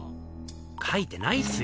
書いてないっすよ